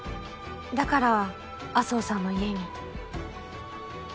だから麻生さんの家に？